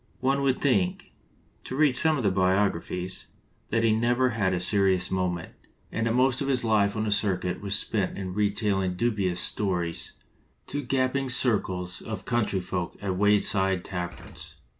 One would think, to read some of the bio graphies, that he never had a serious moment, 191 LINCOLN THE LAWYER and that most of his life on the circuit was spent in retailing dubious stories to gaping circles of country folk at wayside taverns.